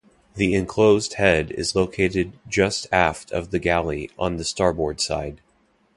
The enclosed head is located just aft of the galley on the starboard side.